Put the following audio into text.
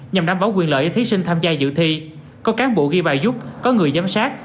nhằm đảm bảo quyền lợi cho thí sinh tham gia dự thi có cán bộ ghi bài giúp có người giám sát